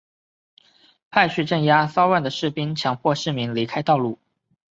派去镇压骚乱的士兵强迫市民离开道路。